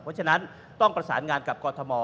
เพราะฉะนั้นต้องประสานงานกับกรทม